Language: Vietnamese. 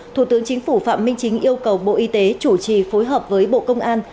thủ tướng chính phủ phạm minh chính yêu cầu bộ y tế chủ trì phối hợp với bộ công an